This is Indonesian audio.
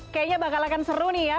kayaknya bakal akan seru nih ya